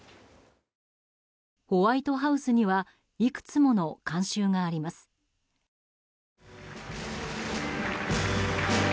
ホワイトハウスにはいくつもの慣習があります。